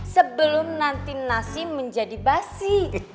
sebelum nanti nasi menjadi basi